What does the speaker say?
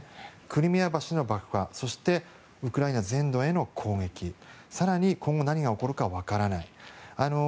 クリミア橋の爆破そして、ウクライナ全土への攻撃更に今後何が起こるかわからない。